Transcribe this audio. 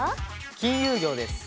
「金融業」です。